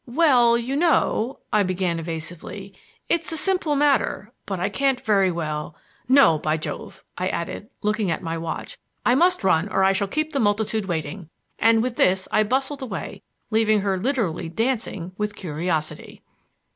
"Well, you know," I began evasively, "it's a simple matter, but I can't very well no, by Jove!" I added, looking at my watch, "I must run, or I shall keep the multitude waiting." And with this I bustled away, leaving her literally dancing with curiosity.